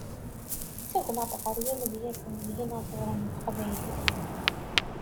Ttagmaɣ-d ɣer yimedyazen d yinaẓuren n Teqbaylit.